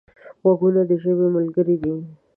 غوږونه د ژبې ملګري دي